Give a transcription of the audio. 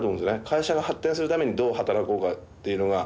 会社が発展するためにどう働こうかっていうのが。